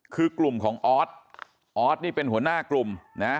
คือกลุ่มของออสออสนี่เป็นหัวหน้ากลุ่มนะ